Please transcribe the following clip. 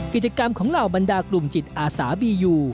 กิจกรรมของเหล่าบรรดากลุ่มจิตอาสามียู